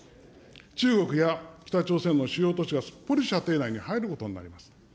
中国や北朝鮮の主要都市がすっぽり射程内に入ることになります。